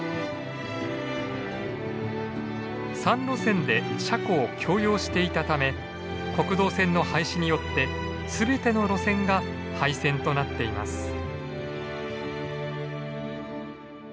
３路線で車庫を共用していたため国道線の廃止によって全ての路線が廃線となっています。